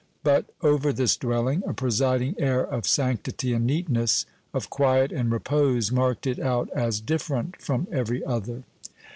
But over this dwelling, a presiding air of sanctity and neatness, of quiet and repose, marked it out as different from every other.